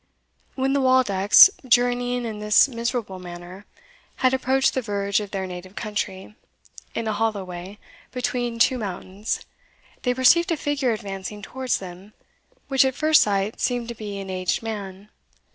When the Waldecks, journeying in this miserable manner, had approached the verge of their native country, in a hollow way, between two mountains, they perceived a figure advancing towards them, which at first sight seemed to be an aged man.